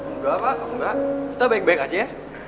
enggak pak enggak kita baik baik aja ya